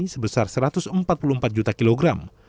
sebesar satu ratus empat puluh empat juta kilogram